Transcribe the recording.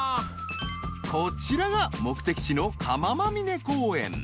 こちらが目的地のカママ嶺公園